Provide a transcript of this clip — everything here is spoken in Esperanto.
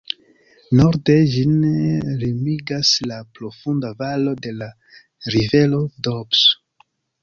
Norde ĝin limigas la profunda valo de la rivero Doubs.